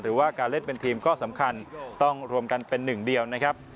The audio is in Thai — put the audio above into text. หรือว่าการเล่นเป็นทีมก็สำคัญต้องรวมกันเป็นหนึ่งเดียวนะครับ